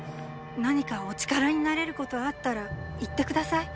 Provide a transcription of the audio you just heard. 何かお力になれることあったら言って下さい。